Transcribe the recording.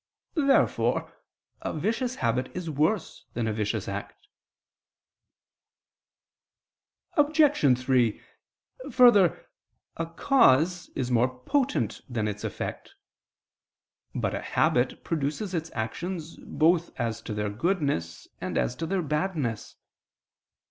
Therefore a vicious habit is worse than a vicious act. Obj. 3: Further, a cause is more potent than its effect. But a habit produces its actions both as to their goodness and as to their badness.